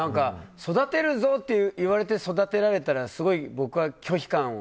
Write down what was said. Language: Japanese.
育てるぞって言われて育てられたら僕はすごい拒否感を。